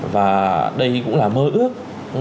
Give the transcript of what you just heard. và đây cũng là mơ ước